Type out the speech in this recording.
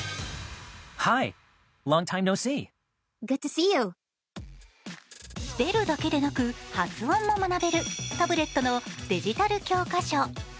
スペルだけでなく、発音も学べるタブレットのデジタル教科書。